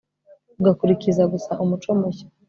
ugakurikiza gusa umuco mushya